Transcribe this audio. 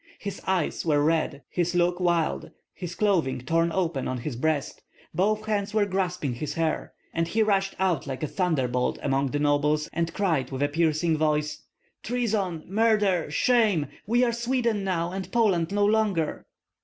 His eyes were red, his look wild, his clothing torn open on his breast; both hands were grasping his hair, and he rushed out like a thunderbolt among the nobles, and cried with a piercing voice, "Treason! murder! shame! We are Sweden now, and Poland no longer!"